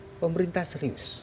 bahwa pemerintah serius